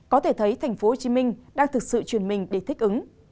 có thể thấy tp hcm đang thực sự chuyển mình để thích ứng